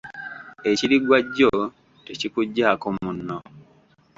Ekiriggwa jjo tekikuggyaako munno.